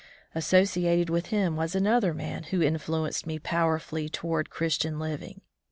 Asso ciated with him was another man who in fluenced me powerfully toward Christian living.